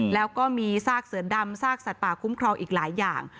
แล้วก็มีซากเสือดำซากสัตว์ป่าคุ้มครองอีกหลายอย่าง